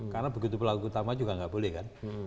karena begitu pelaku utama juga enggak boleh kan